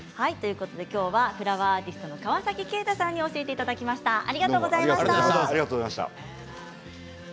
きょうはフラワーアーティストの川崎景太さんに教えていただきました。